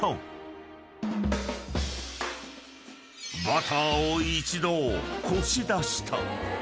［バターを一度こし出した］